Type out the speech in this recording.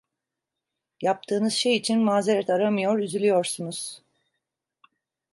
Yaptığınız şey için mazeret aramıyor, üzülüyorsunuz.